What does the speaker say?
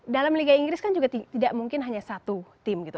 dalam liga inggris kan juga tidak mungkin hanya satu tim gitu